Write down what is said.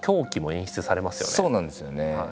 そうなんですよね。